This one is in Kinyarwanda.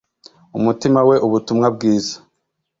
umutima we ubutumwa bwiza